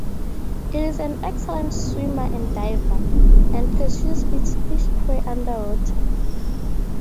It is an excellent swimmer and diver, and pursues its fish prey underwater.